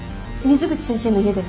水口先生の家だよ。